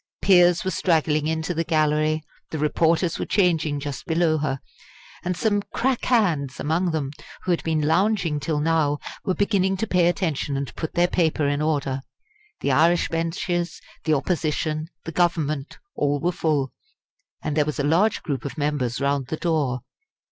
Peers were straggling into the gallery; the reporters were changing just below her: and some "crack hands" among them, who had been lounging till now, were beginning to pay attention and put their paper in order. The Irish benches, the Opposition, the Government all were full, and there was a large group of members round the door.